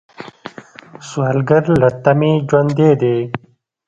سوالګر له تمې ژوندی دی